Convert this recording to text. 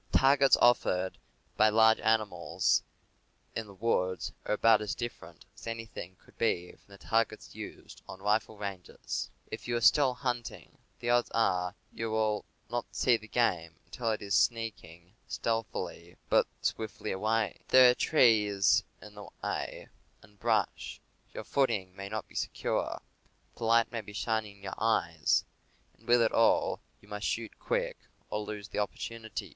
The targets offered by large animals in the woods are about as different as anything could be from the targets used on rifle ranges. If you are still hunting, the odds are long that you will not see the game until it is sneak ing stealthily but swiftly away. Then there are trees in the way, and brush; your footing may not be secure; the light may be shining in your eyes; and, with it all, you must shoot quick, or lose the opportunity.